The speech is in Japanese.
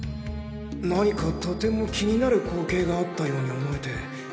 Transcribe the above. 何かとても気になる光景があったように思えて。